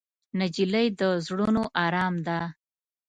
نجلۍ د زړونو ارام ده.